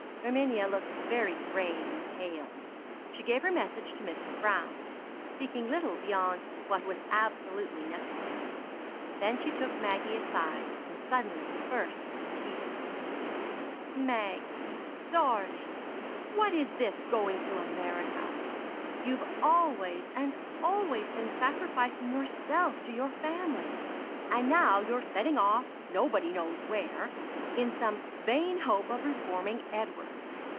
Erminia looked very grave and pale. She gave her message to Mrs. Browne, speaking little beyond what was absolutely necessary. Then she took Maggie aside, and suddenly burst into tears. "Maggie, darling what is this going to America? You've always and always been sacrificing yourself to your family, and now you're setting off, nobody knows where, in some vain hope of reforming Edward.